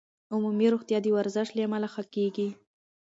عمومي روغتیا د ورزش له امله ښه کېږي.